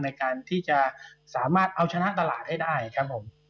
ในการที่จะสามารถเอาชนะตลาดให้ได้ครับผม